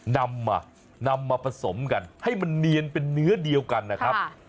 นำมานำมาผสมกันให้มันเนียนเป็นเนื้อเดียวกันนะครับ